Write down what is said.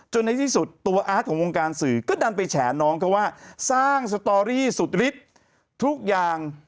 ในที่สุดตัวอาร์ตของวงการสื่อก็ดันไปแฉน้องเขาว่าสร้างสตอรี่สุดฤทธิ์ทุกอย่าง